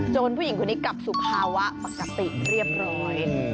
ผู้หญิงคนนี้กลับสู่ภาวะปกติเรียบร้อย